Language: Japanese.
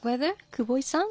久保井さん。